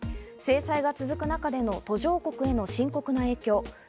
制裁が続く中での途上国への深刻な影響。